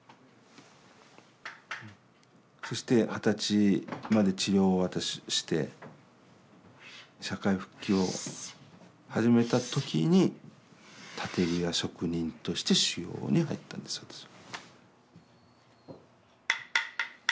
そして二十歳まで治療を私して社会復帰を始めた時に建具屋職人として修業に入ったんです私は。